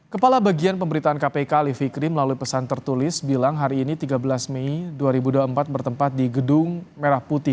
kepala bagian pemberitaan kpk livi krim melalui pesan tersebut